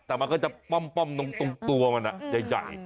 แต่มันก็จะป้อมตรงตัวมันใหญ่